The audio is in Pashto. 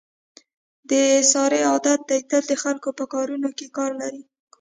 د سارې عادت دی تل د خلکو په کاروکې کار لري.